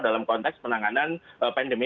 dalam konteks penanganan pandemi